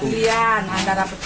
kalau satu pohon